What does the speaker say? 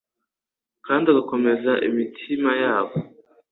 kandi agakomeza imitima yabo.